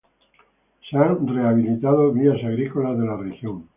Se han rehabilitado vías agrícolas de la región.